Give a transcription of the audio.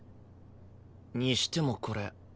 にしてもこれ。